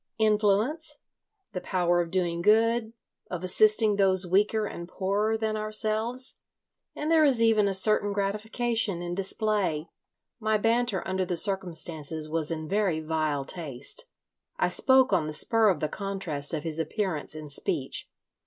Influence, the power of doing good, of assisting those weaker and poorer than ourselves; and there is even a certain gratification in display ....." My banter under the circumstances was in very vile taste. I spoke on the spur of the contrast of his appearance and speech.